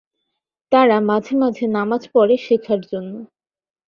তারা মাঝে মাঝে নামায পড়ে শেখার জন্য।